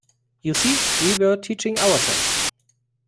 You see, we were teaching ourselves.